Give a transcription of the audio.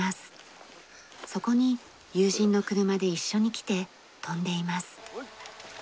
そこに友人の車で一緒に来て飛んでいます。